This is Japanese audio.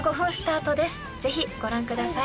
ぜひご覧ください。